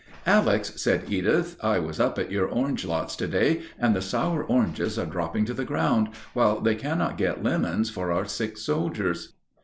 "Alex," said Edith, "I was up at your orange lots to day, and the sour oranges are dropping to the ground, while they cannot get lemons for our sick soldiers."